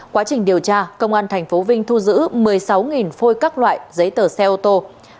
quá trình điều tra công an tp vinh thu giữ một mươi sáu phôi các loại giấy tờ xe ô tô